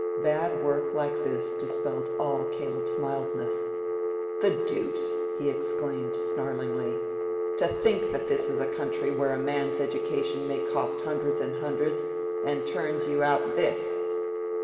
Bad work like this dispelled all Caleb's mildness. "The deuce!" he exclaimed, snarlingly. "To think that this is a country where a man's education may cost hundreds and hundreds, and it turns you out this!"